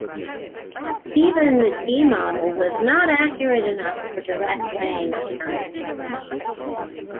Even the D model was not accurate enough for direct laying of guns.